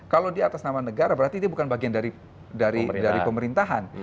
kalau di atas nama negara berarti dia bukan bagian dari pemerintahan